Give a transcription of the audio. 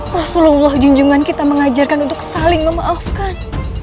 rasulullah junjungan kita mengajarkan untuk saling memaafkan